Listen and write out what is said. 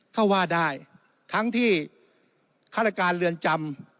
ก็ว่าได้ทั้งที่ฆาตการเรือนจำ